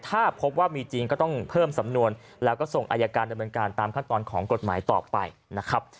ถ้าพบว่ามีจริงก็ต้องเพิ่มสำนวนแล้วก็ส่งอายการดำเนินการตามขั้นตอนของกฎหมายต่อไปนะครับ